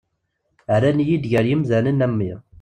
Rran-iyi-d gar yimdanen am wi.